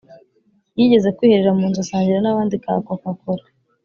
yigeze kwiherera mu nzu asangira n'abandi ka "coca cola"